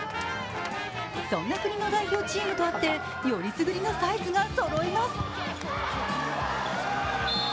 そんな国の代表チームとあってよりすぐりのサイズがそろいます。